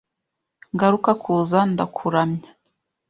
Ngaruka kuza ndakuramya